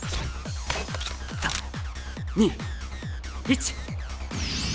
３２１